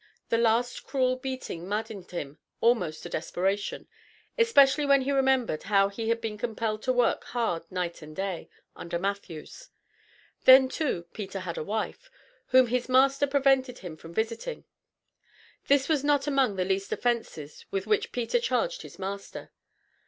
The last cruel beating maddened him almost to desperation, especially when he remembered how he had been compelled to work hard night and day, under Matthews. Then, too, Peter had a wife, whom his master prevented him from visiting; this was not among the least offences with which Pete charged his master.